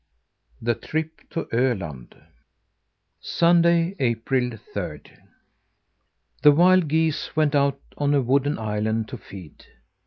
THE TRIP TO ÖLAND Sunday, April third. The wild geese went out on a wooded island to feed.